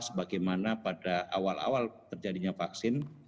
sebagaimana pada awal awal terjadinya vaksin